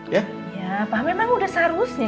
ya apa memang udah seharusnya